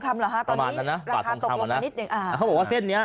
เหรอฮะตอนนี้ราคาตกลงมานิดหนึ่งอ่าเขาบอกว่าเส้นเนี้ย